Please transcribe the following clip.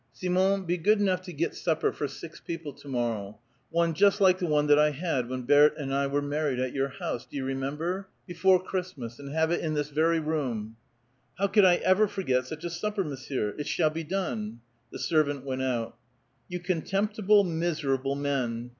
" Simon, be good enough to get supper for six people to moiTOw ; one just like the one that I had when Berthe and I were maiTiod at your house — do vou remember? — before Christmas, and have it in this very room !" "How could I ever forget such a supper. Monsieur? It shall be done." The servant went out. " Y'ou contemptible, miserable men